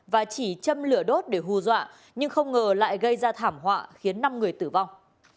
và chỉ châm lửa đốt để hù dọa nhưng không ngờ lại gây ra thảm họa khiến năm người tử vong